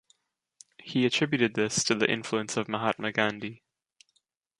He attributed this to the influence of Mahatma Gandhi.